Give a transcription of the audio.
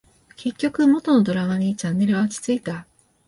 結局、元のドラマにチャンネルは落ち着いた